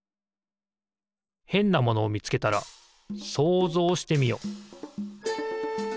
へんなものをみつけたら想像してみよ。